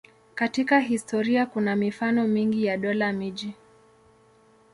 Katika historia kuna mifano mingi ya dola-miji.